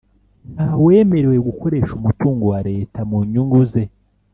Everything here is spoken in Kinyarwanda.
nta wemerewe gukoresha umutungo wareta munyunguze.